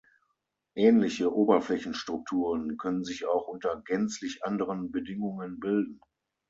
Ähnliche Oberflächenstrukturen können sich auch unter gänzlich anderen Bedingungen bilden.